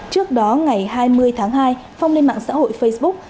trước đó ngày hai mươi tháng hai phong lên mạng xã hội facebook